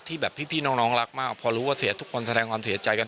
แบบพี่น้องรักมากพอรู้ว่าเสียทุกคนแสดงความเสียใจกัน